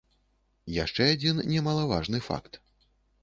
Яшчэ адзін немалаважны факт.